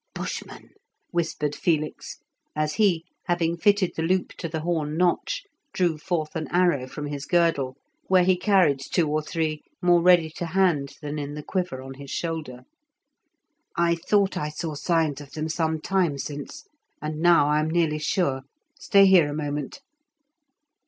"Bushmen," whispered Felix, as he, having fitted the loop to the horn notch, drew forth an arrow from his girdle, where he carried two or three more ready to hand than in the quiver on his shoulder. "I thought I saw signs of them some time since, and now I am nearly sure. Stay here a moment."